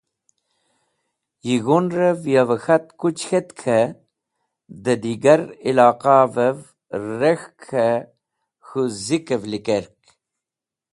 Yig̃hũnẽr yavẽ k̃hat kuch k̃hetk dẽ digar iloqavẽv rek̃hk k̃hẽ k̃hũ zikẽv likerk.